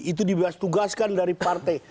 itu dibebas tugaskan dari partai